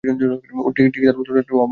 ঠিক তার উল্টোটা, ভাই আমার।